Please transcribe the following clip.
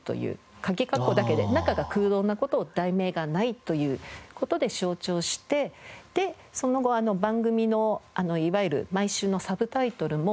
かぎかっこだけで中が空洞な事を「題名がない」という事で象徴してでその後番組のいわゆる毎週のサブタイトルも。